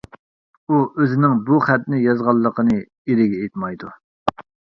ئۇ ئۆزىنىڭ بۇ خەتنى يازغانلىقىنى ئېرىگە ئېيتمايدۇ.